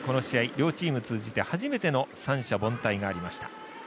両チーム通じて初めての三者凡退がありました。